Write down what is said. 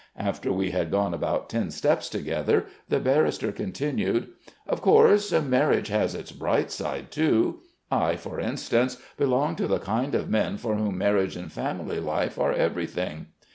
"After we had gone about ten steps together, the barrister continued: "'Of course, marriage has its bright side too. I, for instance, belong to the kind of men for whom marriage and family life are everything.'